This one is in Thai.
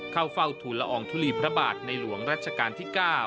เข้าเฝ้าทุนละอองทุลีพระบาทในหลวงรัชกาลที่๙